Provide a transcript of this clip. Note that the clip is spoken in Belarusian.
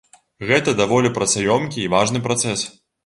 Гэта даволі працаёмкі і важны працэс.